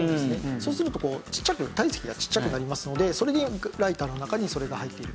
そうするとこうちっちゃく体積がちっちゃくなりますのでライターの中にそれが入っていると。